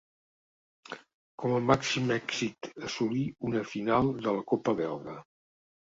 Com a màxim èxit assolí una final de la copa belga.